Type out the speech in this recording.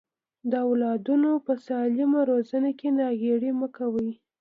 د اولادونو په سالمه روزنه کې ناغيړي مکوئ.